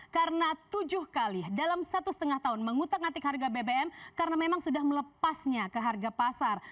karena tujuh kali dalam satu lima tahun mengutak ngatik harga bbm karena memang sudah melepasnya ke harga pasar